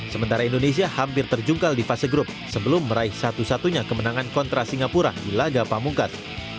sementara indonesia hampir terjungkal di fase grup sebelum meraih satu satunya kemenangan kontra singapura di laga pamungkas